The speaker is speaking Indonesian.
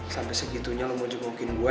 sampai segitunya lo mau jengukin gue